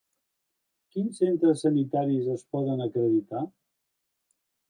Quins centres sanitaris es poden acreditar?